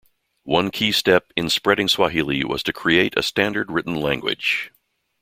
One key step in spreading Swahili was to create a standard written language.